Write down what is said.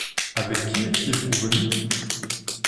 Avec qui étiez-vous venu ?